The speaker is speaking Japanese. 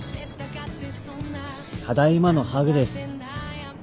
ただいまのハグです。